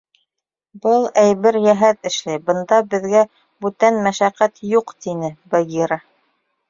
— Был әйбер йәһәт эшләй, бында беҙгә бүтән мәшәҡәт юҡ, — тине Багира.